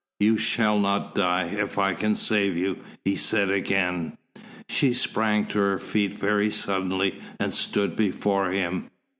"You shall not die, if I can save you," he said again. She sprang to her feet very suddenly and stood before him.